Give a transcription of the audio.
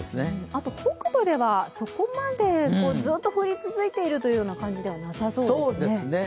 あと北部ではそこまでずっと降り続いているという感じではなさそうですよね？